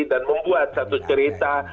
dan membuat satu cerita